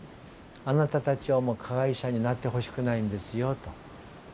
あなたたちはもう加害者になってほしくないんですよと。